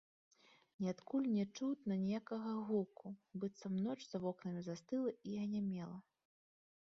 Ніадкуль не чутна ніякага гуку, быццам ноч за вокнамі застыла і анямела.